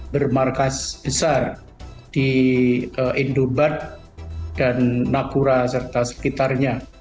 bermarkas besar di indobat dan nakura serta sekitarnya